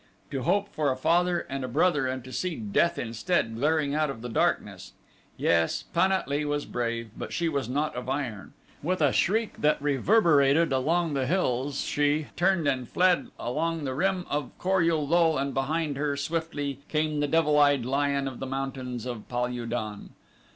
To hope for a father and a brother and to see death instead glaring out of the darkness! Yes, Pan at lee was brave, but she was not of iron. With a shriek that reverberated among the hills she turned and fled along the rim of Kor ul lul and behind her, swiftly, came the devil eyed lion of the mountains of Pal ul don.